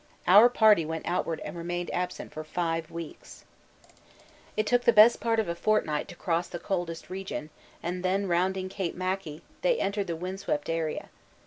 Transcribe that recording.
Our party went outward and remained absent for five weeks. It took the best part of a fortnight to cross the coldest region, and then rounding C. Mackay they entered the wind swept area.